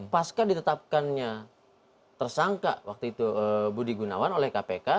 pasca ditetapkannya tersangka waktu itu budi gunawan oleh kpk